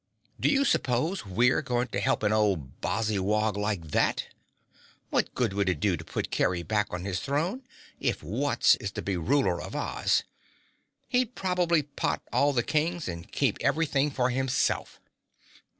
Do you suppose we're going to help an old Bozzywog like that? What good would it do to put Kerry back on his throne if Wutz is to be Ruler of Oz? He'd probably pot all the Kings and keep everything for himself."